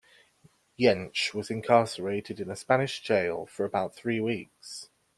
Jentzsch was incarcerated in a Spanish jail for about three weeks.